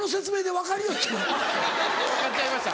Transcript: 分かっちゃいました。